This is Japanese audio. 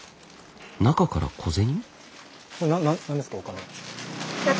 中から小銭？